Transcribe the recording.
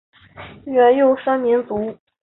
元佑三年卒。